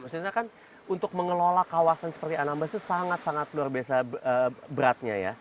maksudnya kan untuk mengelola kawasan seperti anambas itu sangat sangat luar biasa beratnya ya